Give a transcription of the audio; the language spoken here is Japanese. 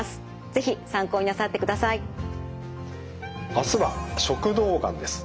明日は食道がんです。